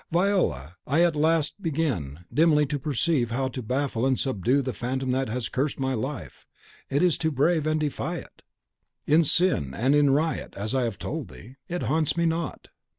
Viola, I at last begin dimly to perceive how to baffle and subdue the Phantom that has cursed my life, it is to brave, and defy it. In sin and in riot, as I have told thee, it haunts me not.